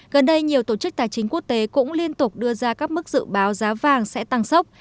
gần đây nhiều tổ chức tài chính quốc tế cũng liên tục đưa ra các mức dự báo giá vàng sẽ tăng sốc